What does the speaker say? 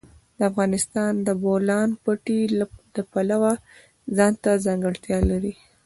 افغانستان د د بولان پټي د پلوه ځانته ځانګړتیا لري.